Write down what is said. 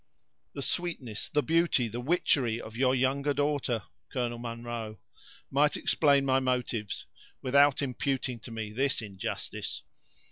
"The sweetness, the beauty, the witchery of your younger daughter, Colonel Munro, might explain my motives without imputing to me this injustice."